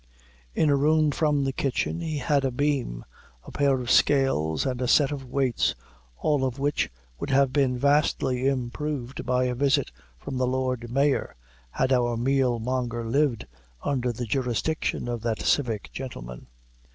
In a room from the kitchen, he had a beam, a pair of scales, and a set of weights, all of which would have been vastly improved by a visit from the lord mayor, had our meal monger lived under the jurisdiction of that civic gentleman.